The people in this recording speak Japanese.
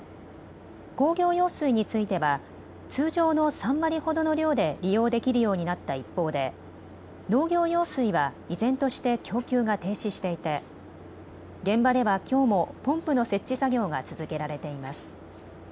工業用水については通常の３割ほどの量で利用できるようになった一方で農業用水は依然として供給が停止していて現場ではきょうもポンプの設置作業が続けられています。